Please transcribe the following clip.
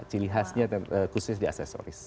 cili khasnya dan khususnya di asesoris